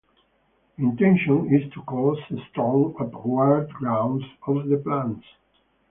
The intention is to cause a strong upward growth of the plants.